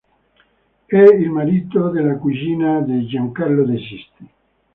È il marito della cugina di Giancarlo De Sisti.